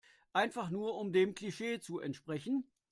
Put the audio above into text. Einfach nur um dem Klischee zu entsprechen.